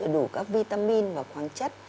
đủ các vitamin và khoáng chất